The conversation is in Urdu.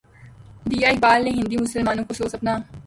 دیا اقبالؔ نے ہندی مسلمانوں کو سوز اپنا